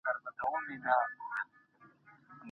کیسه ویل د زده کړي یوه زړه طریقه ده.